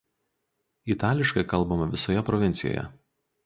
Itališkai kalbama visoje provincijoje.